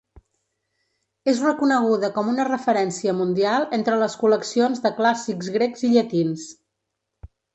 És reconeguda com una referència mundial entre les col·leccions de clàssics grecs i llatins.